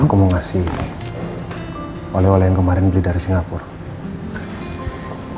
aku mau ngasih oleh oleh yang kemarin beli dari singapura